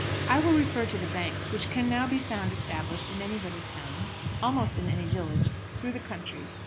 I will refer to the banks, which can now be found established in any little town, almost in any village, through the country.